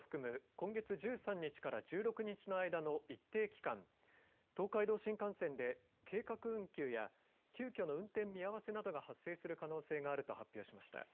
今月１３日から１６日の間の一定期間東海道新幹線で計画運休や急きょの運転見合わせなどが発生する可能性があると発表しました。